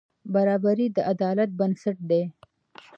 برابري د عدالت بنسټ دی.